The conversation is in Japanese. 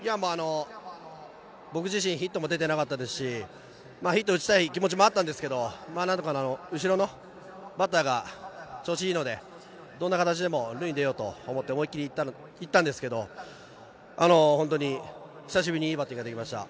僕自身、ヒットも出ていなかったですし、ヒットを打ちたい気持ちもあったんですけれど、後ろのバッターが調子がいいので、どんな形でも塁に出ようと思って、思い切っていったんですけれど、本当に久しぶりにいいバッティングができました。